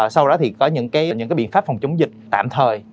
sau đó thì có những biện pháp phòng chống dịch tạm thời